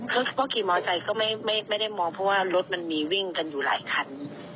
เขาก็ขี่มอไซค์ก็ไม่ได้มองเพราะว่ารถมันมีวิ่งกันอยู่หลายคัน